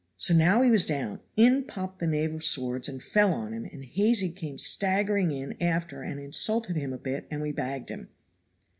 So now he was down, in popped the knave of swords and fell on him, and Hazy came staggering in after and insulted him a bit and we bagged him."